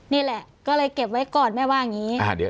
นี่แหละก็เลยเก็บไว้ก่อนแม่ว่าอย่างนี้